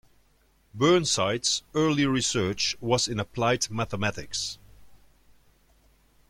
Burnside's early research was in applied mathematics.